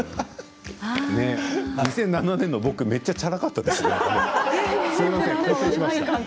２００７年の僕めっちゃ、ちゃらかったですね。